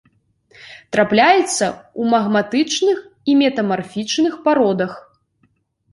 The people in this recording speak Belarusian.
Трапляецца ў магматычных і метамарфічных пародах.